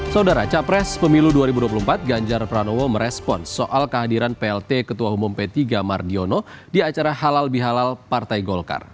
saudara capres pemilu dua ribu dua puluh empat ganjar pranowo merespon soal kehadiran plt ketua umum p tiga mardiono di acara halal bihalal partai golkar